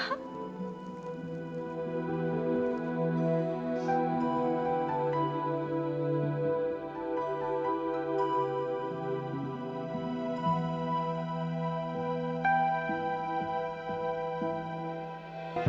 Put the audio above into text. aku mau berjalan